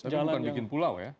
tapi bukan bikin pulau ya